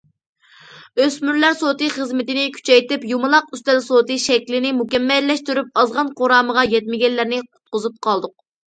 ئۆسمۈرلەر سوتى خىزمىتىنى كۈچەيتىپ،« يۇمىلاق ئۈستەل سوتى» شەكلىنى مۇكەممەللەشتۈرۈپ، ئازغان قۇرامىغا يەتمىگەنلەرنى قۇتقۇزۇپ قالدۇق.